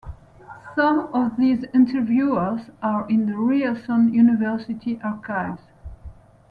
Some of these interviews are in the Ryerson University archives.